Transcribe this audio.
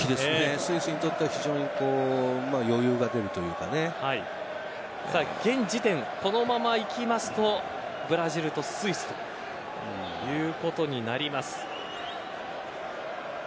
スイスにとっては現時点、このままいきますとブラジルとスイスということになります。